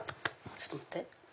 ちょっと待って。